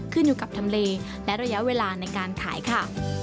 ขึ้นอยู่กับทำเลและระยะเวลาในการขายค่ะ